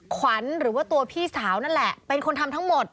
ขวัญหรือว่าตัวพี่สาวนั่นแหละเป็นคนทำทั้งหมด